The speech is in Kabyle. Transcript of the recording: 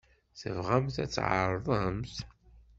Tebɣamt ad tɛerḍemt?